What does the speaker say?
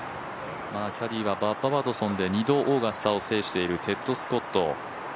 キャディーはバッバ・ワトソンで２度、オーガスタを制しているテッド・スコット。